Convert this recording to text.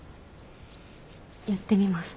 やってみます。